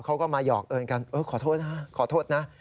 เขาก็มาหยอกเอิร์ทกันเอิร์ทขอโทษนะ